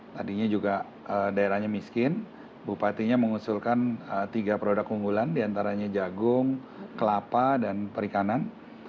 tadinya juga daerahnya miskin bupatinya mengusulkan tiga produk unggulan diantaranya jagung kelapa dan perikanan